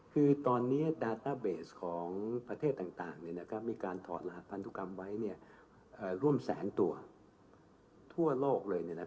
คือตอนนี้ดาต้าเบสของประเทศต่างมีการถอดรหัสพันธุกรรมไว้ร่วมแสนตัวทั่วโลกเลย